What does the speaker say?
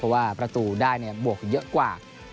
เพราะว่าประตูได้บวกเยอะกว่า